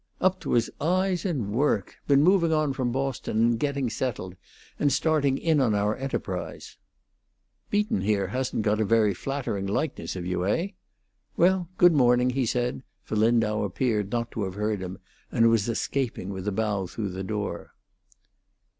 "Up to his eyes in work. Been moving on from Boston and getting settled, and starting in on our enterprise. Beaton here hasn't got a very flattering likeness of you, hey? Well, good morning," he said, for Lindau appeared not to have heard him and was escaping with a bow through the door.